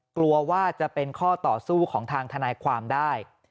กลัวว่าจะเป็นข้อต่อสู้ของทางทนายความได้